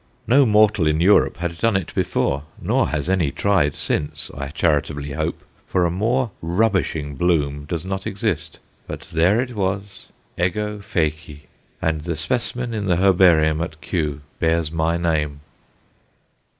No mortal in Europe had done it before, nor has any tried since, I charitably hope, for a more rubbishing bloom does not exist. But there it was Ego feci! And the specimen in the Herbarium at Kew bears my name.